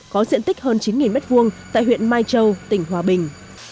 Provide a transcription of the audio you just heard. có diện tích hơn chín m hai tại huyện mai châu tỉnh hòa bình